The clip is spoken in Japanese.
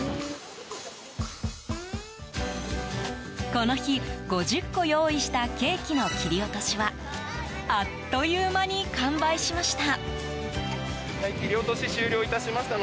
この日、５０個用意したケーキの切り落としはあっという間に完売しました。